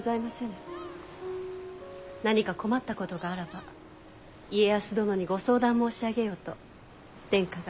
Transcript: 何か困ったことがあらば家康殿にご相談申し上げよと殿下が。